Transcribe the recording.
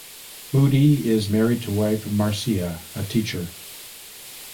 Moodie is married to wife Marcia, a teacher.